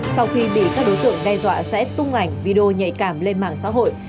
sau khi bị các đối tượng đe dọa sẽ tung ảnh video nhạy cảm lên mạng xã hội